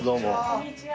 こんにちは。